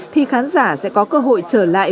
thì khán giả sẽ có cơ hội trở lại